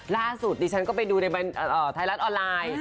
ล่าสุดนี่ฉันก็ไปดูในไทรัสออนไลน์